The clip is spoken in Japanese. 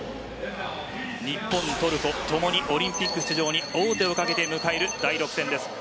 日本、トルコ共にオリンピック出場に王手をかけて迎える第６戦です。